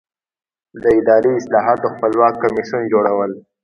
د اداري اصلاحاتو خپلواک کمیسیون جوړول.